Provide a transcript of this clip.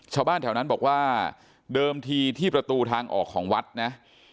ชาวบ้านแถวนั้นบอกว่าเดิมทีที่ประตูทางออกของวัดนะ